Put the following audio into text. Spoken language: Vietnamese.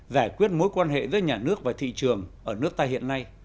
giải quyết mối quan hệ giữa nhà nước và thị trường ở nước ta hiện nay